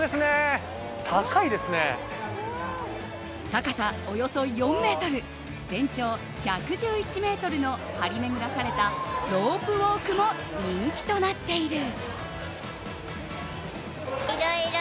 高さおよそ４ｍ全長１１１ｍの張り巡らされたロープウォークも人気となっている。